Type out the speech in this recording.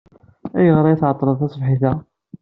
Ayɣer ay tɛeḍḍleḍ taṣebḥit-a?